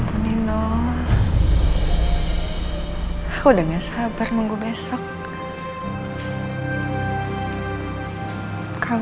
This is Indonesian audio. aku janji aku akan jadi istri yang lebih baik lagi buat kamu